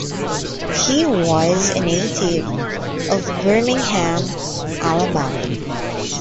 He was a native of Birmingham, Alabama.